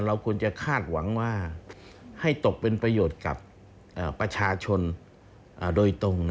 เราควรจะคาดหวังว่าให้ตกเป็นประโยชน์กับประชาชนโดยตรง